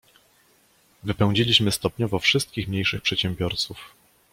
"Wypędziliśmy stopniowo wszystkich mniejszych przedsiębiorców."